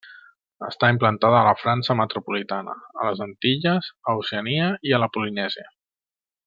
Està implantada a la França metropolitana, a les Antilles, a Oceania i a la Polinèsia.